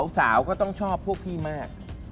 สาวก็ต้องชอบพวกพี่มาก